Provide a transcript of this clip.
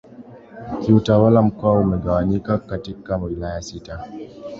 Kiutawala Mkoa umegawanyika katika Wilaya sita